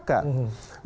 itu tuntutan masyarakat